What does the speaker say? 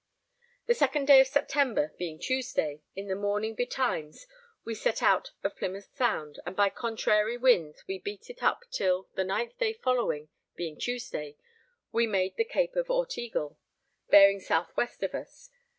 The 2nd day of September, being Tuesday, in the morning betimes we set out of Plymouth Sound, and by contrary winds we beat it up till, the 9th day following, being Tuesday, we made the Cape of Ortegal bearing south west of us.